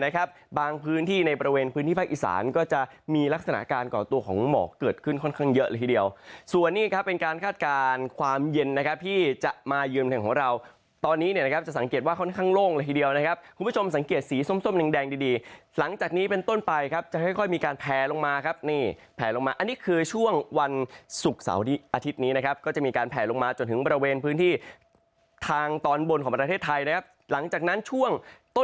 ก็จะมีลักษณะการก่อตัวของหมอกเกิดขึ้นค่อนข้างเยอะละทีเดียวส่วนนี้ครับเป็นการคาดการณ์ความเย็นนะครับที่จะมายืนแห่งของเราตอนนี้เนี่ยนะครับจะสังเกตว่าค่อนข้างโล่งละทีเดียวนะครับคุณผู้ชมสังเกตสีส้มส้มแดงดีหลังจากนี้เป็นต้นไปครับจะค่อยมีการแพลลงมาครับนี่แพลลงมาอันนี้คือช่วง